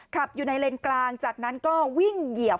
ขับอยู่ในเลนกลางจากนั้นก็วิ่งเหยียบ